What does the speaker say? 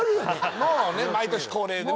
もうね毎年恒例でね